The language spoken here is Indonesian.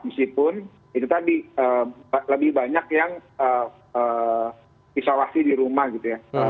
meskipun itu tadi lebih banyak yang isolasi di rumah gitu ya